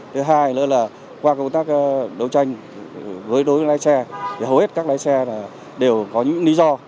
thứ hai nữa là qua công tác đấu tranh với đối với lái xe thì hầu hết các lái xe đều có những lý do